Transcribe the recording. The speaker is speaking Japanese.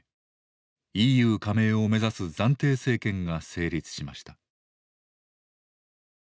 ＥＵ加盟を目指す暫定政権が成立しました。